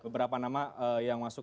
beberapa nama yang masuk